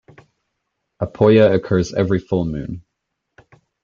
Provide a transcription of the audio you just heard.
A Poya occurs every full moon.